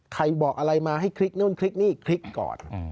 ใครบอกอะไรมาให้คลิกนู่นคลิกนี่คลิกก่อน